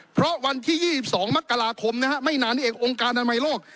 เพราะวันที่๒๒มกราคมไม่นานนี้เององค์การอนามัยโลก